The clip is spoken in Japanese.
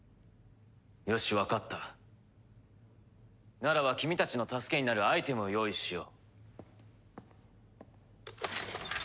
ならば君たちの助けになるアイテムを用意しよう。